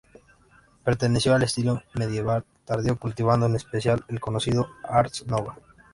Perteneció al estilo medieval tardío, cultivando en especial el conocido ars nova.